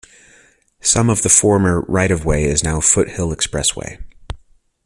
Some of the former right-of-way is now Foothill Expressway.